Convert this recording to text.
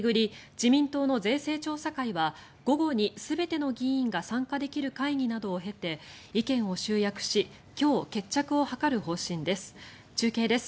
自民党の税制調査会は午後に全ての議員が参加できる会議などを経て意見を集約し今日、決着を図る方針です。